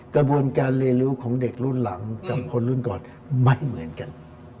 กระบวนการเรียนรู้ของเด็กรุ่นหลังกับคนรุ่นก่อนไม่เหมือนกัน